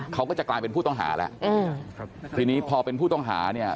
เขาก็จะกลายเป็นผู้ต้องหาแล้วอืมครับทีนี้พอเป็นผู้ต้องหาเนี่ย